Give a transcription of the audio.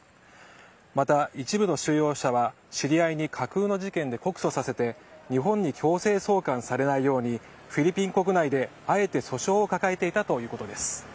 また一部の収容者は知り合いに架空の事件で告訴させて日本に強制送還されないようにフィリピン国内であえて訴訟を抱えていたということです。